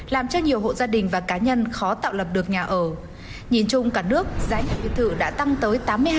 làm cho nhiều hộ gia đình và cá nhân khó tạo lập được nhà ở